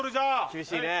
厳しいね。